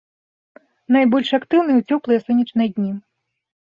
Найбольш актыўныя ў цёплыя сонечныя дні.